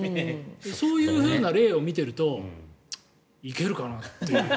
そういうふうな例を見ているといけるかなっていう。